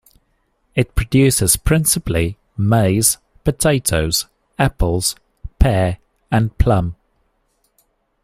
It produces principally maize, potatoes, apples, pear and plum.